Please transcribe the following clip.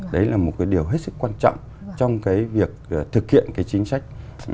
đấy là một điều rất quan trọng trong việc thực hiện chính sách